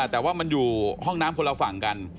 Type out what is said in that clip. แต่ว่ามันอยู่ห้องน้ำคนละฝั่งกัน